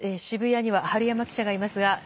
渋谷には春山記者がいます。